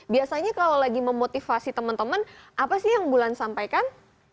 biasanya kalau lagi memotivasi teman teman apa sih yang bulan sampaikan